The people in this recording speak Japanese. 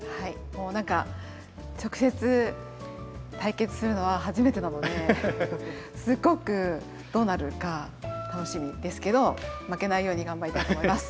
もう何か直接対決するのは初めてなのですごくどうなるか楽しみですけど負けないように頑張りたいと思います。